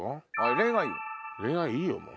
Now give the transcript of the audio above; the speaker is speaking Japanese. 恋愛いいよもう。